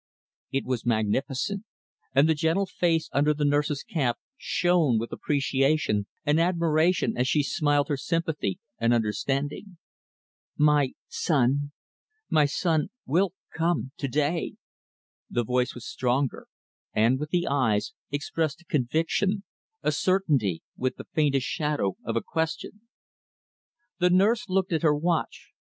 It was magnificent, and the gentle face under the nurse's cap shone with appreciation and admiration as she smiled her sympathy and understanding. "My son my son will come to day." The voice was stronger, and, with the eyes, expressed a conviction a certainty with the faintest shadow of a question. The nurse looked at her watch.